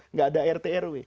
nggak ada rt rw